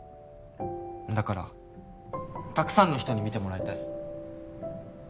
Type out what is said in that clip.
だからたくさんの人に見てもらいたい